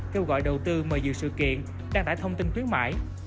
kêu gọi đầu tư mời dự sự kiện đăng tải thông tin khuyến mại